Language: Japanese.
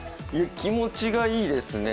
気持ちがいいですね。